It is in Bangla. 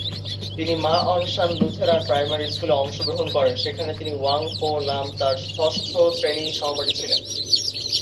তিনি Ma On Shan Lutheran Primary স্কুলে অংশগ্রহণ করেন, যেখানে তিনি ওয়াং পো-লাম তার ষষ্ঠ শ্রেণীর সহপাঠী ছিলেন।